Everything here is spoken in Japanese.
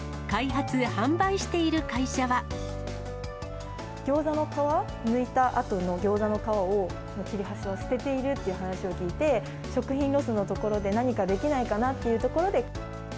開発、ギョーザの皮を抜いたあとのギョーザの皮を、切れ端を捨てているっていう話を聞いて、食品ロスのところで、何かできないかなっていうところで。